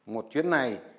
một chuyến này